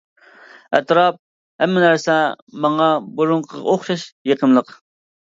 ئەتراپ، ھەممە نەرسە ماڭا بۇرۇنقىغا ئوخشاش يېقىملىق.